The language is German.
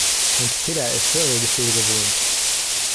Hans-Peter ist höhere Gefilde gewohnt.